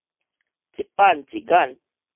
一板一眼